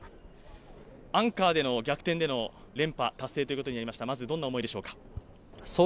アンカーでの逆転での連覇達成ということになりました、どんな思いでしょうか？